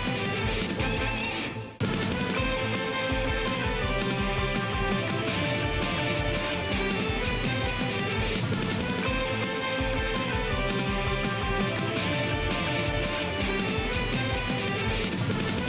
โปรดติดตามตอนต่อไป